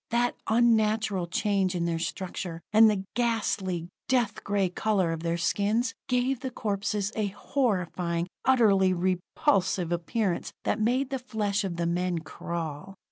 That unnatural change in their structure, and the ghastly, dead gray color of their skins gave the corpses a horrifying, utterly repulsive appearance that made the flesh of the men crawl.